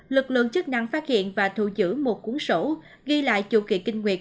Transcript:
lực lượng chức năng phát hiện và thu giữ một cuốn sổ ghi lại chu kỳ kinh nguyệt